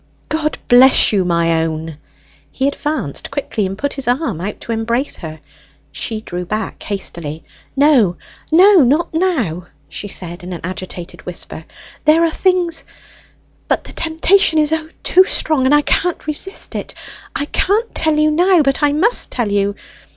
"God bless you, my own!" He advanced quickly, and put his arm out to embrace her. She drew back hastily. "No no, not now!" she said in an agitated whisper. "There are things; but the temptation is, O, too strong, and I can't resist it; I can't tell you now, but I must tell you!